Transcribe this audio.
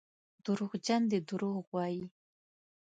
دروغجن دي دروغ وايي.